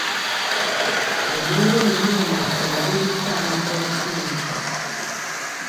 Embeera embi eno ewalirizza abantu okusenguka.